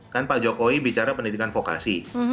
kan pak jokowi bicara pendidikan vokasi